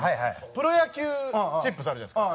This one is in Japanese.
プロ野球チップスあるじゃないですか。